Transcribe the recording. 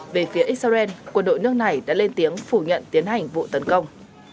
về phía israel quân đội nước này đã lên tiếng phủ nhận tiến hành vụ tấn công